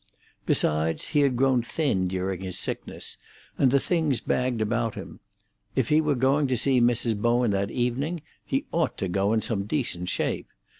Besides, he had grown thin during his sickness, and the things bagged about him. If he were going to see Mrs. Bowen that evening, he ought to go in some decent shape.